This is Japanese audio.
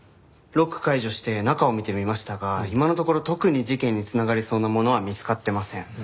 ロック解除して中を見てみましたが今のところ特に事件に繋がりそうなものは見つかってません。